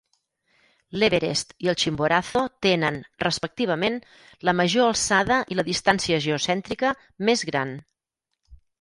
L'Everest i el Chimborazo tenen, respectivament, la major alçada y la distància geocèntrica més gran.